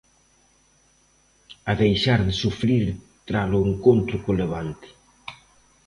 A deixar de sufrir tras o encontro co Levante.